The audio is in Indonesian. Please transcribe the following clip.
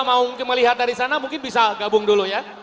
mau melihat dari sana mungkin bisa gabung dulu ya